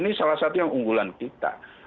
ini salah satu yang unggulan kita